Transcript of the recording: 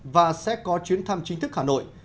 và sẽ có chuyến thăm chính thức hà nội